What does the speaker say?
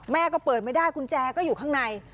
ก็เปิดไม่ได้กุญแจก็อยู่ข้างใน